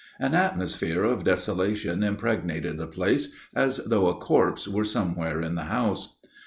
An atmosphere of desolation impregnated the place, as though a corpse were somewhere in the house.